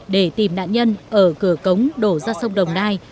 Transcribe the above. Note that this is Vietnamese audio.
để tìm nạn nhân ở cửa cống đổ ra sông đồng nai